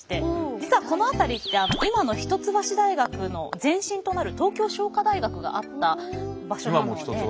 実はこの辺りって今の一橋大学の前身となる東京商科大学があった場所なんですね。